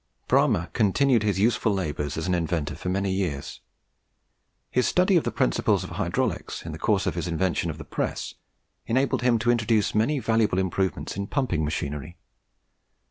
Bramah continued his useful labours as an inventor for many years. His study of the principles of hydraulics, in the course of his invention of the press, enabled him to introduce many valuable improvements in pumping machinery.